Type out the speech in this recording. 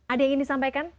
ada yang ingin disampaikan